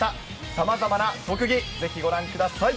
さまざまな特技、ぜひご覧ください。